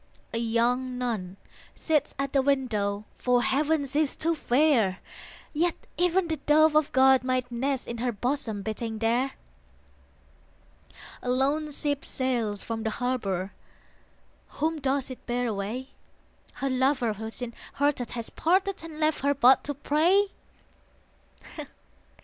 A young nun sits at the window; For Heaven she is too fair; Yet even the Dove of God might nest In her bosom beating there. A lone ship sails from the harbour: Whom does it bear away? Her lover who sin hearted has parted And left her but to pray?